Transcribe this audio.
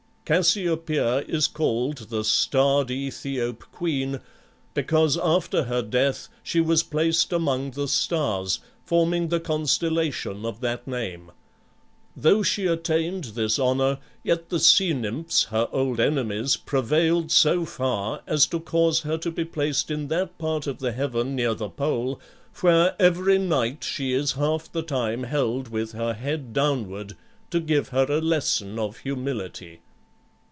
Cassiopeia is called "the starred Aethiop queen" because after her death she was placed among the stars, forming the constellation of that name. Though she attained this honor, yet the Sea Nymphs, her old enemies, prevailed so far as to cause her to be placed in that part of the heaven near the pole, where every night she is half the time held with her head downward, to give her a lesson of humility.